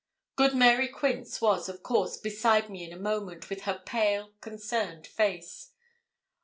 Good Mary Quince was, of course, beside me in a moment, with her pale, concerned face.